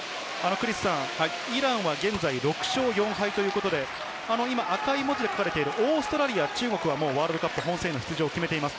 イランは現在６勝４敗ということで、赤い文字で書かれているオーストラリア、中国は、もうワールドカップ本戦に出場を決めています。